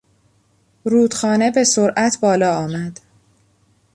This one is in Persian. رودخانه به سرعت بالا آمد.